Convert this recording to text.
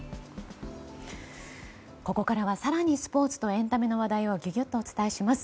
ここからは更にスポーツとエンタメの話題をギュギュっとお伝えします。